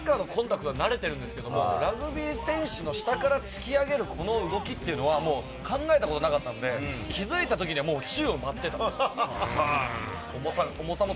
やってきましたけれども僕、やっぱりサッカーのコンタクトには慣れてるんですけれど、ラグビー選手の下から突き上げる、この動きというのは考えたことがなかったので、気づいたときには宙を舞っている。